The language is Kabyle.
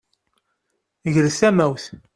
Gret tamawt!